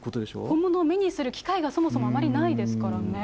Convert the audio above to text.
本物を目にする機会がそもそもあまりないですからね。